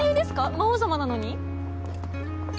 魔王様なのに。